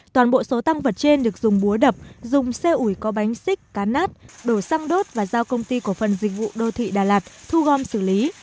toàn bộ số tăng vật trên được dùng búa đập dùng xe ủi có bánh xích cán nát đổ xăng đốt và giao công ty cổ phần dịch vụ đô thị đà lạt thu gom xử lý